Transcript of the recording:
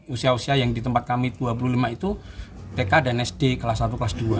usia usia yang di tempat kami dua puluh lima itu tk dan sd kelas satu kelas dua